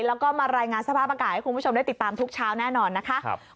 แล้วก็มารายงานสภาพอากาศให้คุณผู้ชมได้ติดตามทุกเช้าแน่นอนนะคะ